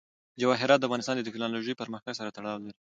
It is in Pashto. جواهرات د افغانستان د تکنالوژۍ پرمختګ سره تړاو لري.